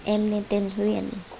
em lên tên huyện